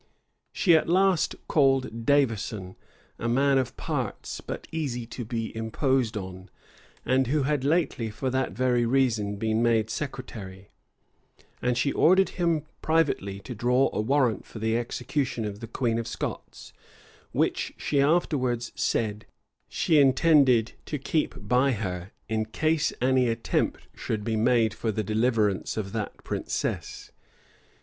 She at last called Davison, a man of parts, but easy to be imposed on, and who had lately for that very reason been made secretary, and she ordered him privately to draw a warrant for the execution of the queen of Scots; which, she afterwards said, she intended to keep by her, in case any attempt should be made for the deliverance of that princess.